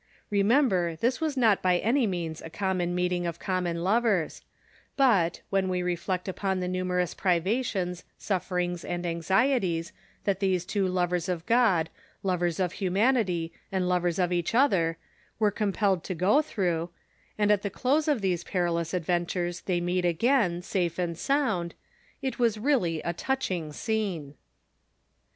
Remember, this was not by any means a common meeting of common lovers ; but, wlien we reflect upon the numerous privations, sufferings and anxieties that these two lovers of God, lovers of hu manity and lovers of each other, were compelled to go through, and at the close of these perilous adventures they meet again, safe and sound, it was really a touching scene.